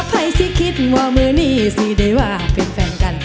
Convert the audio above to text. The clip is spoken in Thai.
ใครสิคิดว่ามือนี้สิได้ว่าเป็นแฟนกัน